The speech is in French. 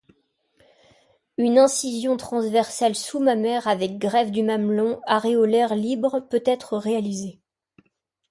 Une incision transversale sous-mammaire avec greffes du mamelon aréolaire libre peut être réalisée.